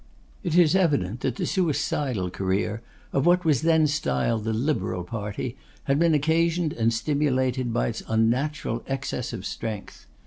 It is evident that the suicidal career of what was then styled the Liberal party had been occasioned and stimulated by its unnatural excess of strength.